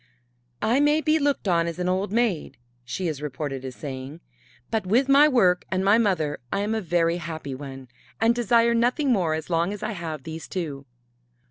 "I may be looked on as an old maid," she is reported as saying, "but with my work and my mother I am a very happy one, and desire nothing more as long as I have these two."